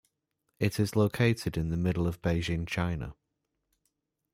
It is located in the middle of Beijing, China.